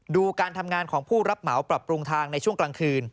ดูการทำงานของผู้รับเหมาปรับปรุงทางในช่วงกลางคืน